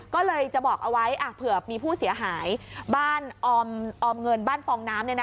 ก็เลยจะบอกเอาไว้เผื่อมีผู้เสียหายบ้านออมเงินบ้านฟองน้ำ